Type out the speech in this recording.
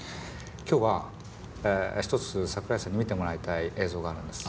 今日は一つ桜井さんに見てもらいたい映像があるんです。